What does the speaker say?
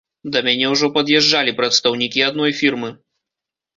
Да мяне ўжо пад'язджалі прадстаўнікі адной фірмы.